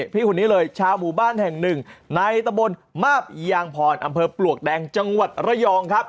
พี่คนนี้เลยชาวหมู่บ้านแห่งหนึ่งในตะบนมาบยางพรอำเภอปลวกแดงจังหวัดระยองครับ